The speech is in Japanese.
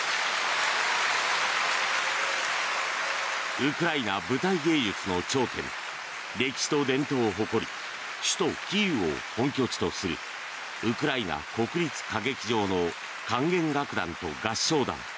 ウクライナ舞台芸術の頂点歴史と伝統を誇り首都キーウを本拠地とするウクライナ国立歌劇場の管弦楽団と合唱団。